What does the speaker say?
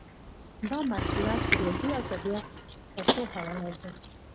دا مسلک د ریاضي او طبیعت په پوهه ولاړ دی.